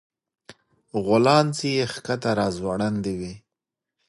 غولانځې يې ښکته راځوړندې وې